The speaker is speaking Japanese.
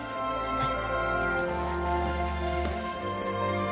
・はい。